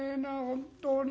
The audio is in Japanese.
本当に。